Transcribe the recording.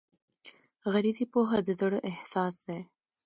غریزي پوهه د زړه احساس دی.